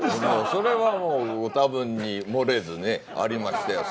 それはもうご多分に漏れずねありましたよ